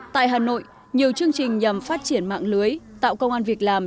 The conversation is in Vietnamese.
tại hà nội nhiều chương trình nhằm phát triển mạng lưới tạo công an việc làm